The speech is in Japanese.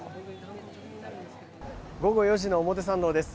午後４時の表参道です。